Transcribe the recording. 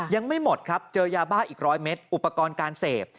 ยังไม่หมดครับเจอยาบ้าอีก๑๐๐เมตรอุปกรณ์การเสพ